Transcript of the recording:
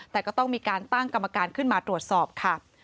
แต่ก็ต้องมีการตั้งกรรมการขึ้นมาตรวจสอบค่ะ